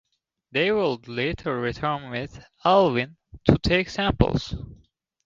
They would later return with "Alvin" to take samples.